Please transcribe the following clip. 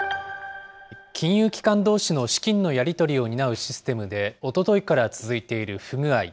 金融機関どうしの資金のやり取りを担うシステムで、おとといから続いている不具合。